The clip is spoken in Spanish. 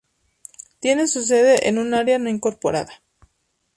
Tiene su sede en una área no incorporada.